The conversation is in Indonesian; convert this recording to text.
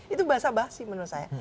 itu bahasa basi menurut saya